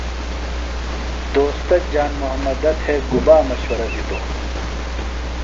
دوستہ جان محمدہ تھےۡ گُبا مشورہ دِتوۡ؟